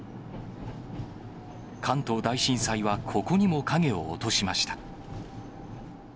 関東大震災はここにも影を落としました。